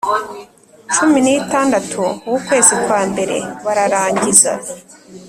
Cumi n itandatu w ukwezi kwa mbere bararangiza